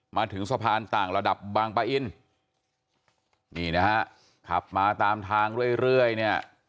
มาถึงสะพานต่างระดับบางปะอินนี่นะฮะขับมาตามทางเรื่อยเรื่อยเนี่ย